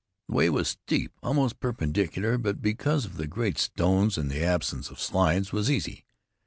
The way was steep, almost perpendicular; but because of the great stones and the absence of slides, was easy.